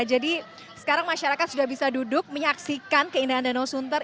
jadi sekarang masyarakat sudah bisa duduk menyaksikan keindahan danau sunter